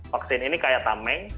vaksin ini kayak tameng